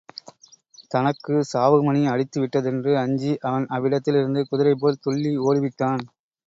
தனக்கு சாவுமணி அடித்து விட்டதென்று அஞ்சி அவன் அவ்விடத்திலிருந்து குதிரைபோல் துள்ளி ஓடிவிட்டான்.